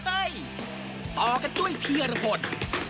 ต่อกันด้วยพี่อรพนธ์